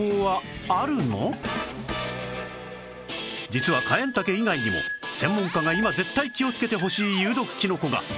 実はカエンタケ以外にも専門家が今絶対気をつけてほしい有毒キノコが。